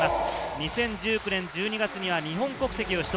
２０１９年１２月には日本国籍を取得。